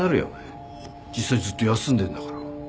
実際ずっと休んでんだから。